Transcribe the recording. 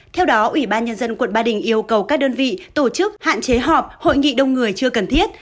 theo đó ủy ban nhân dân quận ba đình yêu cầu các đơn vị tổ chức hạn chế họp hội nghị đông người chưa cần thiết